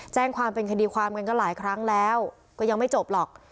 แจ้งความเป็นคดีความกันก็หลายครั้งแล้วก็ยังไม่จบหรอก